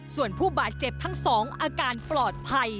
ส่วนผู้บาดเจ็บทั้ง๒อาการปลอดภัย